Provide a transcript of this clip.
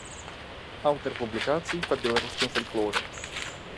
Аўтар публікацый па беларускім фальклоры.